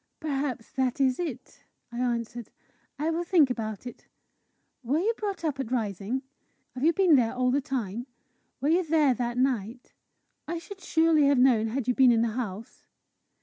"Perhaps that is it," I answered. "I will think about it. Were you brought up at Rising? Have you been there all the time? Were you there that night? I should surely have known had you been in the house!"